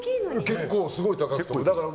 結構すごい高さ。